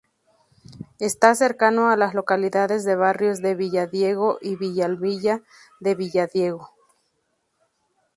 Está cercano a las localidades de Barrios de Villadiego y Villalbilla de Villadiego.